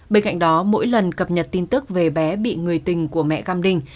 bên cạnh đó mỗi lần cập nhật tin tức về bé bị người tình của mẹ gam đinh